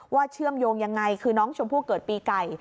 เชื่อมโยงยังไงคือน้องชมพู่เกิดปีไก่